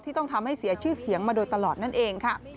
ต้องทำให้เสียชื่อเสียงมาโดยตลอดนั่นเองค่ะ